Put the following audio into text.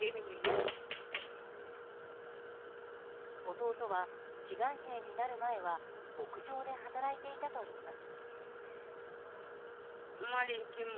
弟は志願兵になる前は牧場で働いていたといいます。